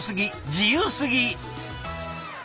自由すぎ！